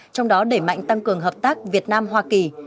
trong đó đẩy mạnh tăng cường hợp tác việt nam hoa kỳ